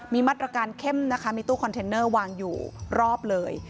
มีมาตรการเข้มนะคะมีตู้คอนเทนเนอร์วางอยู่รอบเลย